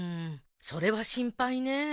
それは心配ねえ。